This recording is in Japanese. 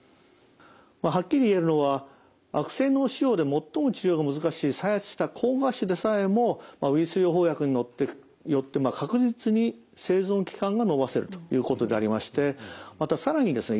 はっきり言えるのは悪性脳腫瘍で最も治療が難しい再発した膠芽腫でさえもウイルス療法薬によって確実に生存期間が延ばせるということでありましてまた更にですね